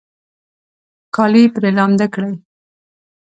کالي پرې لامده کړئ